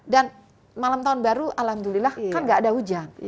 dan malam tahun baru alhamdulillah kan tidak ada hujan